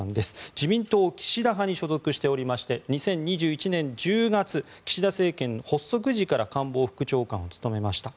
自民党岸田派に所属しておりまして２０２１年１０月岸田政権発足時から官房副長官を務めました。